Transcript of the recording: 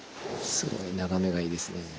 すごい眺めがいいですね。